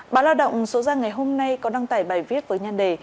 báo lao động số gia ngày hôm nay có đăng tải bài viết với nhân đề